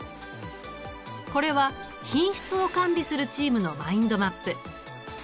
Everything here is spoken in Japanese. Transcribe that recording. これは品質を管理するチームのマインドマップ。